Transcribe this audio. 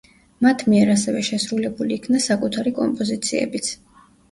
მათ მიერ ასევე შესრულებული იქნა საკუთარი კომპოზიციებიც.